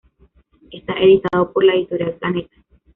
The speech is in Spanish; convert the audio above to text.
Está editado por la editorial Planeta.